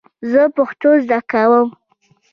زه پښتو زده کوم .